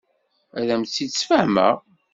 Ad am-tt-id-sfehmeɣ.